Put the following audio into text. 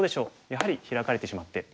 やはりヒラかれてしまって。